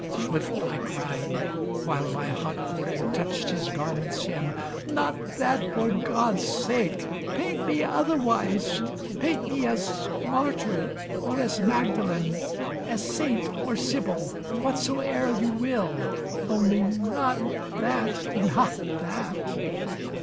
" swift I cried. While my hot forehead touched his garment's hem ;" Not that, for God's sake ! Paint me otherwise. Paint me as martyr, or as Magdalen, As saint, or sibyl — whatsoe'er you will, Only not that, not that